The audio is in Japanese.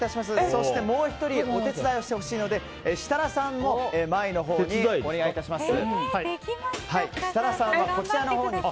そしてもう１人お手伝いをしてほしいので設楽さんも前のほうにお願いいたします。